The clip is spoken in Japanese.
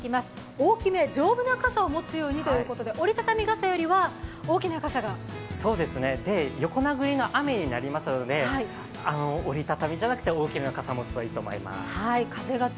大きめ、丈夫な傘を持つようにということで折り畳み傘よりはそうですね、横殴りの雨になりますので折り畳みじゃなくて大きな傘を持つといいと思います。